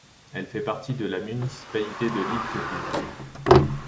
Elle fait partie de la municipalité de Lidköping.